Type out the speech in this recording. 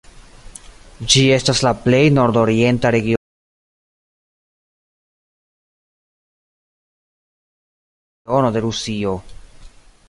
Ĝi estas la plej nordorienta regiono de Rusio.